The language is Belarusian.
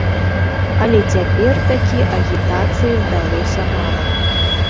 Але цяпер такі агітацыі здалося мала.